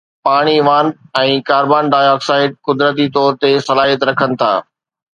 پاڻي وانپ ۽ carbon dioxide قدرتي طور تي صلاحيت رکن ٿا